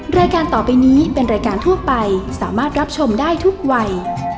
รายการต่อไปนี้เป็นรายการทั่วไปสามารถรับชมได้ทุกวัย